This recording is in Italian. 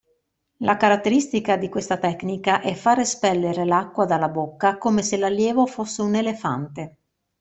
La caratteristica di questa tecnica è far espellere l'acqua dalla bocca come se l'allievo fosse un elefante.